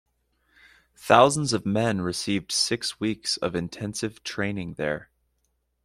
Thousands of men received six weeks of intensive training there.